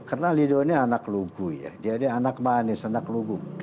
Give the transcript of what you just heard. karena ridho ini anak lugu ya dia ada anak manis anak lugu